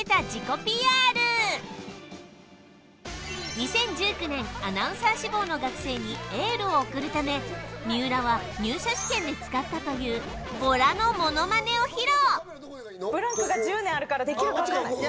２０１９年、アナウンサー志望の学生にエールを送るため、水卜は入社試験で使ったというボラのモノマネを披露。